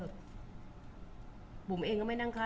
คุณผู้ถามเป็นความขอบคุณค่ะ